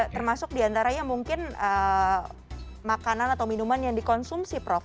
termasuk diantaranya mungkin makanan atau minuman yang dikonsumsi prof